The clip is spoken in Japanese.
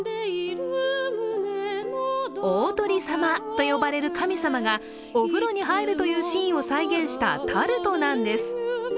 オオトリ様と呼ばれる神様がお風呂に入るというシーンを再現したタルトなんです。